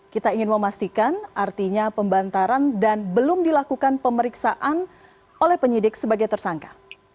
kita ingin memastikan artinya pembantaran dan belum dilakukan pemeriksaan oleh penyidik sebagai tersangka